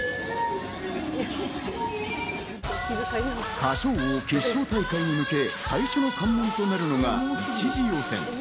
『歌唱王』決勝大会に向け、最初の関門となるのが一次予選。